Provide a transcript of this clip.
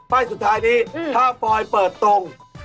สุดท้ายนี้ถ้าฟอยเปิดตรง